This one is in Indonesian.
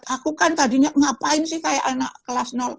aku kan tadinya ngapain sih kayak anak kelas satu